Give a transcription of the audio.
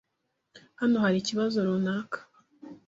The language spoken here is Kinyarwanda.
Hano hari ikibazo runaka?